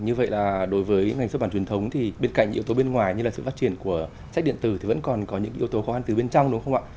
như vậy là đối với ngành xuất bản truyền thống thì bên cạnh yếu tố bên ngoài như là sự phát triển của sách điện tử thì vẫn còn có những yếu tố khó khăn từ bên trong đúng không ạ